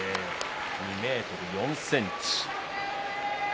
２ｍ４ｃｍ。